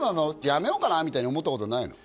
やめようかなみたいに思ったことないの？